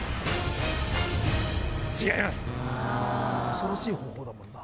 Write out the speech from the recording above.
恐ろしい方法だもんな。